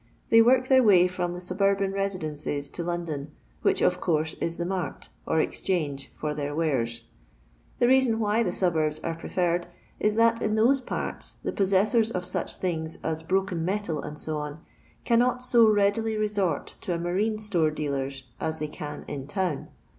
They work their way from their sub urban residences to Loudon, which, of coarse, is the mart, or " exchange," for their wares. The reason why the suburbs are preferred is that in those parts the possessors of such things as hrokei metal, &c., cannot so readily resort to a marine store dealer's as they can in town.